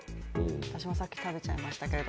私もさっき食べちゃいましたけど。